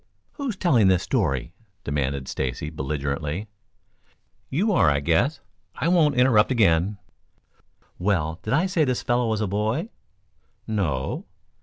"Who's telling this story?" demanded Stacy belligerently. "You are, I guess. I won't interrupt again." "Well, did I say this fellow was a boy?" "No."